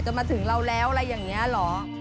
มาถึงเราแล้วอะไรอย่างนี้เหรอ